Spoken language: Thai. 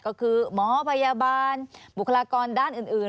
ก็คือหมอพยาบาลบุคลากรด้านอื่น